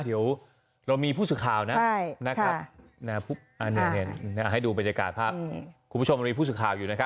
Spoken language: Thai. เดี๋ยวเรามีผู้สื่อข่าวนะให้ดูบรรยากาศภาพคุณผู้ชมมีผู้สื่อข่าวอยู่นะครับ